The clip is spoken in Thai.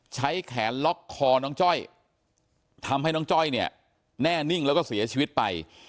ใช้แขนล็อกคอน้องจ้อยทำให้น้องจ้อยเนี่ยแน่นิ่งแล้วก็เสียชีวิตไป